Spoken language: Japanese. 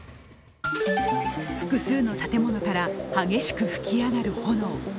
複数の建物から激しく吹き上がる炎。